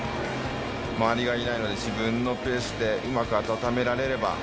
周りがいないので自分のペースでうまく温められれば。